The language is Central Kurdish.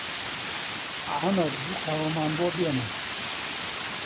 عەمەر دوو قاوەمان بۆ بێنە!